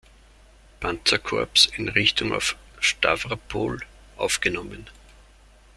Panzerkorps in Richtung auf Stawropol aufgenommen.